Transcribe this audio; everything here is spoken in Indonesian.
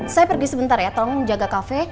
saya pergi sebentar ya tolong menjaga kafe